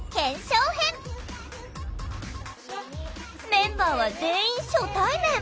メンバーは全員初対面！